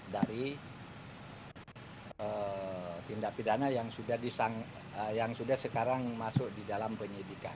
dari tindak pidana yang sudah sekarang masuk di dalam penyidikan